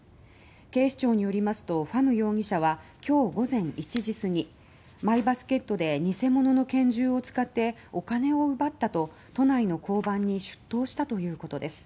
警視庁によりますとファム容疑者は今日午前１時すぎまいばすけっとで偽物の拳銃を使ってお金を奪ったと都内の交番に出頭したということです。